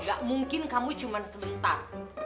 gak mungkin kamu cuma sebentar